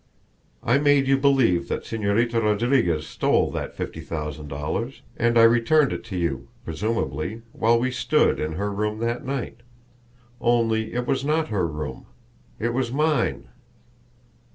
I made you believe that Señorita Rodriguez stole that fifty thousand dollars, and I returned it to you, presumably, while we stood in her room that night. Only it was not her room it was _mine!